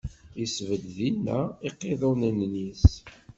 Isbedd dinna iqiḍunen-is.